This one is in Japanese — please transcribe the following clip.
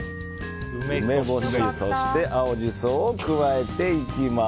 梅干しそして青ジソを加えていきます。